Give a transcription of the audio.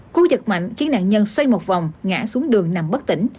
cú giật mạnh khiến nạn nhân xoay một vòng ngã xuống đường nằm bất tỉnh